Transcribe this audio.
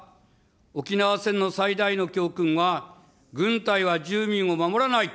沖縄戦の最大の教訓は、軍隊は住民を守らない。